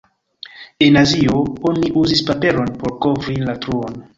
En Azio oni uzis paperon por kovri la truon.